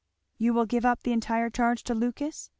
"You will give up the entire charge to Lucas?"